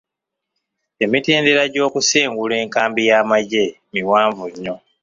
Emitendera gy'okusengula enkambi y'amagye miwanvu nnyo.